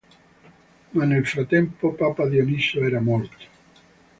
Ma nel frattempo papa Dionisio era morto.